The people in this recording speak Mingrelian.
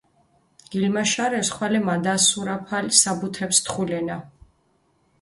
გილმაშარეს ხვალე მადასურაფალ საბუთეფს თხულენა.